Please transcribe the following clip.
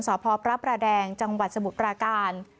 สพพระประแดงจังหวัดสมุทรปราการ